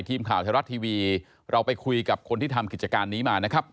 ทีมข่าวไทยรัฐทีวีเราไปคุยกับคนที่ทำกิจการนี้มานะครับ